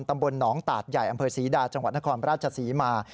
ตำบลหนองตาดใหญ่อำเภอศรีดาจังหวัดนครราชศรีมา